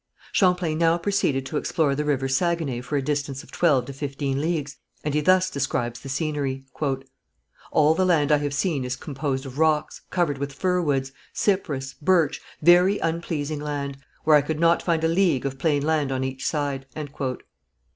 Champlain now proceeded to explore the river Saguenay for a distance of twelve to fifteen leagues, and he thus describes the scenery: "All the land I have seen is composed of rocks, covered with fir woods, cypress, birch, very unpleasing land, where I could not find a league of plain land on each side."